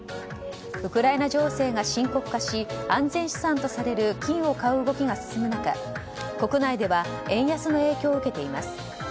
ウクライナ情勢が深刻化し安全資産とされる金を買う動きが進む中国内では円安の影響を受けています。